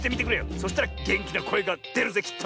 そしたらげんきなこえがでるぜきっと！